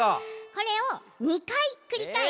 これを２かいくりかえしてね。